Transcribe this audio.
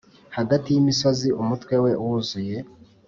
hagati y'imisozi umutwe we wuzuye;